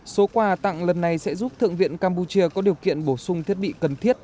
số quà tặng lần này sẽ giúp thượng viện campuchia có điều kiện bổ sung thiết bị cần thiết